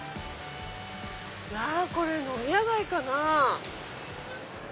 うわこれ飲み屋街かな。